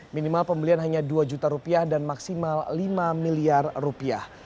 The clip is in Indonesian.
minimal pembelian hanya dua juta rupiah dan maksimal lima miliar rupiah